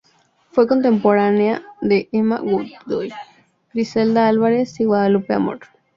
Fue contemporánea de Emma Godoy, Griselda Álvarez y Guadalupe Amor.